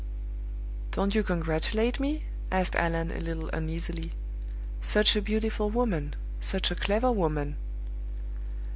"Don't you congratulate me?" asked Allan, a little uneasily. "Such a beautiful woman! such a clever woman!"